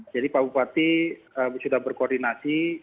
jadi pak bupati sudah berkoordinasi